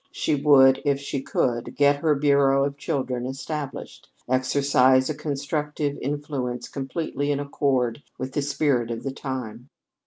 She would, if she could get her Bureau of Children established, exercise a constructive influence completely in accord with the spirit of the time.